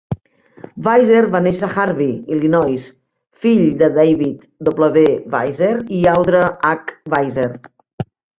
Weiser va néixer a Harvey, Illinois, fill de David W. Weiser i Audra H. Weiser.